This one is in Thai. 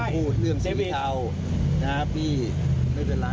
แสดงว่าคุณสันทนัมมองว่าที่นี้มีนอนมีมีล่ะคะ